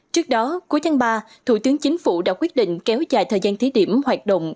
trước đó cuối tháng ba thủ tướng chính phủ đã quyết định kéo dài thời gian thí điểm hoạt động